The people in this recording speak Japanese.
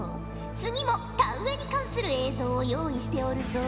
次も田植えに関する映像を用意しておるぞ。